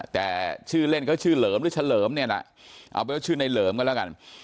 แต่ชื่อเล่นเค้าชื่อเหลือหรือเฉลิมเนี่ยนะเอาเป็นชื่อนายเหลือก็แล้วกัน